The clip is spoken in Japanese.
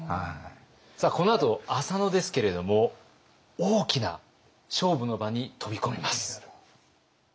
さあこのあと浅野ですけれども大きな勝負の場に飛び込みます。